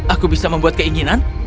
aku bisa membuat keinginan